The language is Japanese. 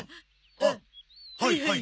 あっはいはい。